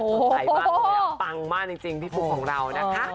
สนใจมากปังมากจริงพี่ฟุ๊กของเรานะคะ